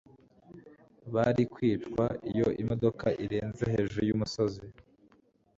bari kwicwa iyo imodoka irenze hejuru yumusozi